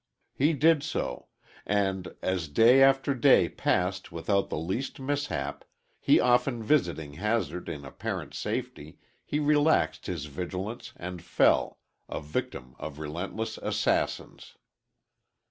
He did so, and as day after day passed without the least mishap, he often visiting Hazard in apparent safety, he relaxed his vigilance, and fell, a victim of relentless assassins.